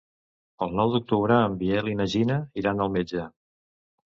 El nou d'octubre en Biel i na Gina iran al metge.